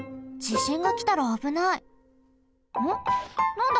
なんだ？